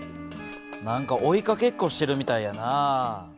何か追いかけっこしてるみたいやな。